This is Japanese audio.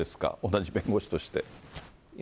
同じ弁護士として。